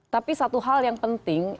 tapi satu hal yang penting